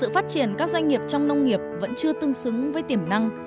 sự phát triển các doanh nghiệp trong nông nghiệp vẫn chưa tương xứng với tiềm năng